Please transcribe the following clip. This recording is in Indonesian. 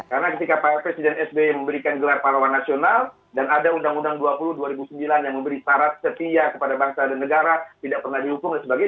karena ketika pak presiden sby memberikan gelar pahlawan nasional dan ada undang undang dua puluh tahun dua ribu sembilan yang memberi syarat setia kepada bangsa dan negara tidak pernah dihukum dan sebagainya